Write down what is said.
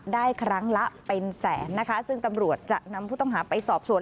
ได้ครั้งละเป็นแสนนะคะซึ่งตำรวจจะนำผู้ต้องหาไปสอบสวน